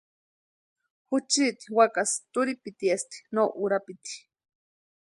Juchiti wakasï turhipitiesti no urapiti.